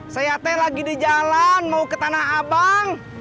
saya teh lagi di jalan mau ke tanah abang